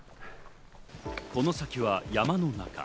この先は山の中。